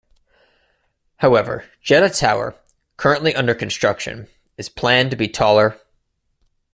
However, Jeddah Tower, currently under construction, is planned to be taller.